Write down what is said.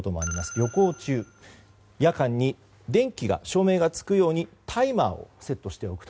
旅行中、夜間に電気がつくようにタイマーをセットしておくと。